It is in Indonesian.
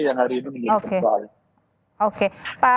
yang hari ini menjadi persoalan